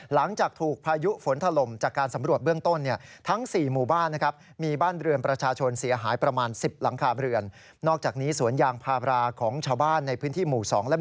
หลังจากถูกพายุฝนถล่มจากการสำรวจเบื้องต้นเนี่ย